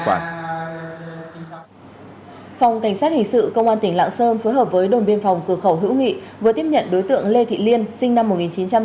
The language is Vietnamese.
phòng cảnh sát hình sự công an tỉnh lạng sơn phối hợp với đồn biên phòng cửa khẩu hữu nghị vừa tiếp nhận đối tượng lê thị liên sinh năm một nghìn chín trăm tám mươi